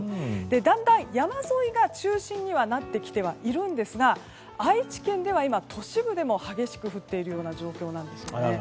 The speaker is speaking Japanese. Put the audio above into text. だんだん山沿いが中心にはなってきてはいるんですが愛知県では今、都市部でも激しく降っているような状況なんですよね。